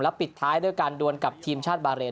ปิดท้ายด้วยการดวนกับทีมชาติบาเรน